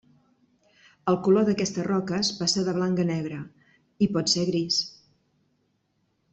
El color d'aquestes roques passa de blanc a negre i pot ser gris.